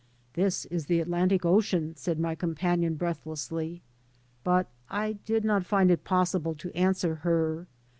" This is the Atlantic Ocean," said my companion breathlessly. But I did not And it possible to answer her.